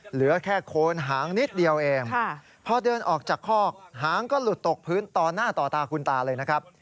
เหลือแค่โคนหางนิดเดียวเองพอเดินออกจากคอกหางก็หลุดตกพื้นต่อหน้าต่อตาคุณตาเลยนะครับ